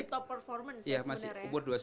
masih di top performance ya sebenarnya